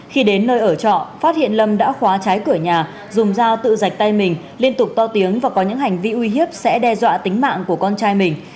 khi đến nơi ở trọ phát hiện lâm đã khóa trái cửa nhà dùng dao tự dạch tay mình liên tục to tiếng và có những hành vi uy hiếp sẽ đe dọa tính mạng của con trai mình